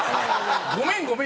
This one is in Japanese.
ごめんごめん。